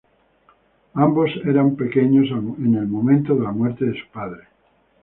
Ambos eran pequeños al momento de la muerte de su padre.